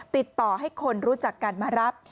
ติดต่อให้คนรู้จักกันมารับ